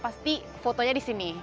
pasti fotonya di sini